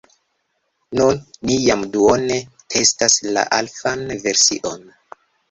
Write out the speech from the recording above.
Nun, ni jam duone testas la alfan version